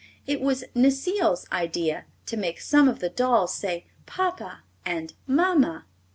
It was Necile's idea to make some of the dolls say "papa" and "mama."